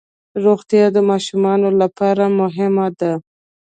روغتیا د ماشومانو لپاره مهمه ده.